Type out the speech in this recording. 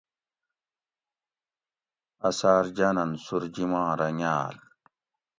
اثاۤر جاۤنن سُورجیماں رنگاۤل